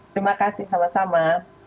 terima kasih sama sama